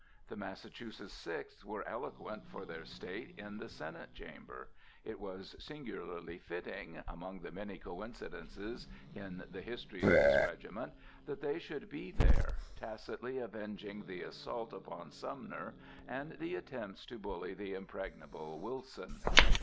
The Massachusetts Sixth were eloquent for their State in the Senate Chamber. It was singularly fitting, among the many coincidences in the history of this regiment, that they should be there, tacitly avenging the assault upon Sumner and the attempts to bully the impregnable Wilson.